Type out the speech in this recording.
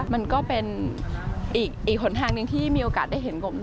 มันก็เป็นอีกหนทางหนึ่งที่มีโอกาสได้เห็นผม